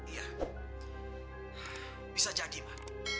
iya bisa jadi ma